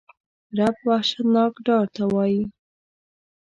رعب وحشتناک ډار ته وایی.